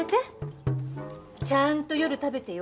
ちゃんと夜食べてよ。